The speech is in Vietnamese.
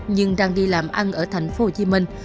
nhưng đang đi làm ăn ở thành phố hồ chí minh